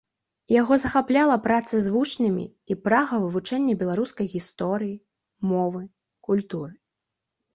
Яго захапляла праца з вучнямі і прага вывучэння беларускай гісторыі, мовы, культуры.